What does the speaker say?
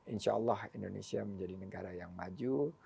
insya allah indonesia menjadi negara yang maju